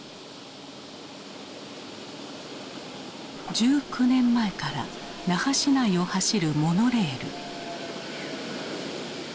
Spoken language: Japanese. １９年前から那覇市内を走るモノレール。